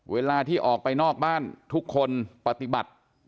เวลาที่ออกไปนอกบ้านทุกคนปฏิบัติ